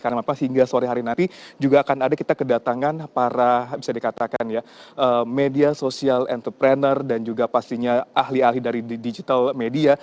karena maafnya sehingga sore hari nanti juga akan ada kita kedatangan para bisa dikatakan ya media social entrepreneur dan juga pastinya ahli ahli dari digital media